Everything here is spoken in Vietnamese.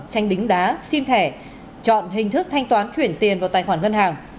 tranh đính đá sim thẻ chọn hình thức thanh toán chuyển tiền vào tài khoản ngân hàng